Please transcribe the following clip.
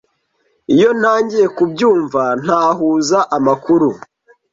Iyo ntangiye kubyumva, ntahuza amakuru